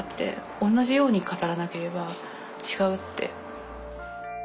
おんなじように語らなければ違うって。